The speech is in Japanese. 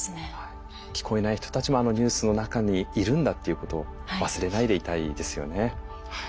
聞こえない人たちもあのニュースの中にいるんだっていうことを忘れないでいたいですよね。